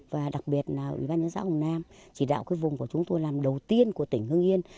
và đặc biệt là ubnd xã hồng nam chỉ đạo cái vùng của chúng tôi làm đầu tiên của tỉnh hưng yên